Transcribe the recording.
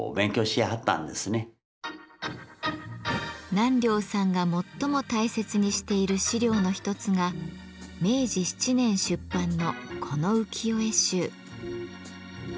南陵さんが最も大切にしている資料の一つが明治７年出版のこの浮世絵集。